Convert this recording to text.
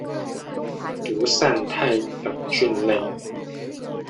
毒伞肽等菌类。